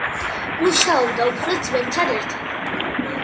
მუშაობდა უფროს ძმებთან ერთად.